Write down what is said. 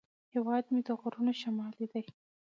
هیواد مې د غرونو شملې دي